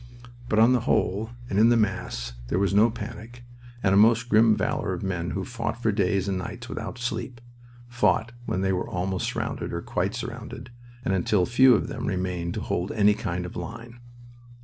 But on the whole, and in the mass, there was no panic, and a most grim valor of men who fought for days and nights without sleep; fought when they were almost surrounded or quite surrounded, and until few of them remained to hold any kind of line.